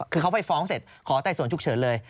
คือเขาไปฟ้องเสร็จขอไต่สวนฉุกเฉินเลย